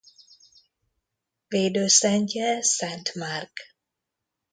Védőszentje Szent Márk.